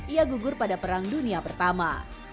ia gugur pada perang dunia pertama